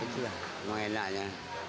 itu lah enaknya